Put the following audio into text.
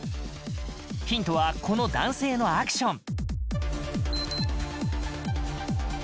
ヒントは、この男性のアクション。